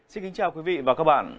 xin kính chào quý vị và các bạn